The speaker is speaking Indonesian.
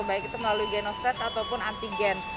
baik itu melalui genostas ataupun antigen